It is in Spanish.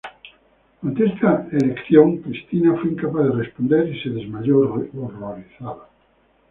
Ante esta elección Kristina fue incapaz de responder y se desmayó horrorizada.